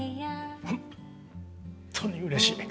本当にうれしい。